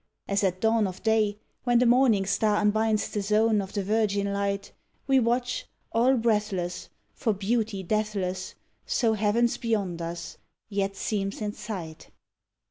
As at dawn of day when the Morning Star unbinds the zone of the virgin Light, We watch, all breathless, for beauty deathless, so heaven's beyond us, yet seems in sight.